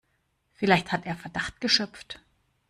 Vielleicht hat er Verdacht geschöpft.